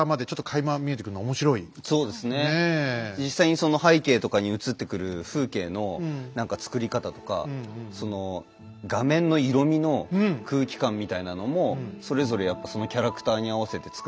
実際にその背景とかに映ってくる風景の何か作り方とかその画面の色みの空気感みたいなのもそれぞれやっぱそのキャラクターに合わせて作られてるので。